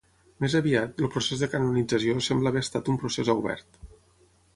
Més aviat, el procés de canonització sembla haver estat un procés obert.